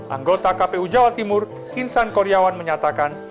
anggota kpu jawa timur insan kuryawan menyatakan